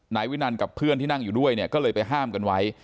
นายวินันกับเพื่อนที่นั่งอยู่ด้วยเนี่ยก็เลยไปห้ามกันไว้